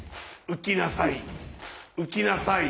浮きなさい。